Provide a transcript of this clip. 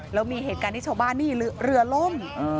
แล้วมีเหตุการณ์ที่ชาวบ้านนี่เรือล่ม